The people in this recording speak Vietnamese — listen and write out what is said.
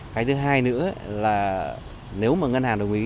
cái thứ hai nữa là nếu mà ngân hàng đồng ý